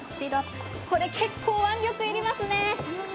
これ結構腕力要りますね。